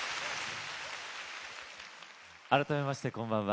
改めまして、こんばんは。